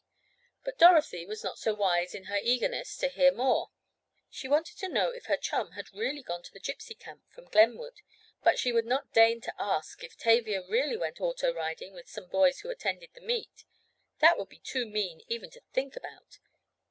But Dorothy was not so wise in her eagerness to hear more. She wanted to know if her chum had really gone to the Gypsy camp from Glenwood, but she would not deign to ask if Tavia really went auto riding with some boys who attended the meet. That would be too mean even to think about!